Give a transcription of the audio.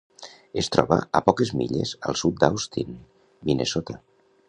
Es troba a poques milles al sud d'Austin, Minnesota.